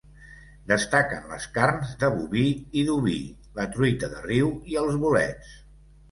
Destaquen les carns de boví i d'oví, la truita de riu i els bolets.